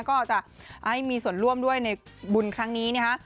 ก็จะให้มีส่วนร่วมด้วยในบุญครั้งนี้นะฮะ